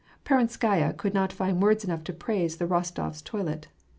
Peronskaya could not find words enough to praise the Kos tofs' toilets.